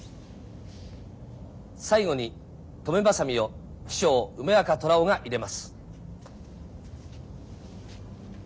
最後にとめバサミを師匠梅若虎男が入れます。